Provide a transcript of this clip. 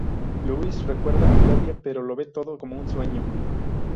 Louis recuerda a Claudia, pero lo ve todo como un sueño.